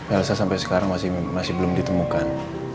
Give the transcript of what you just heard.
elsa sampai sekarang masih belum ditemukan